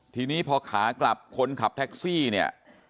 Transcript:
ทีนี้พอขากลับคนขับแท็กซี่เนี่ย